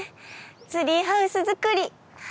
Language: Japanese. ツリーハウス作り。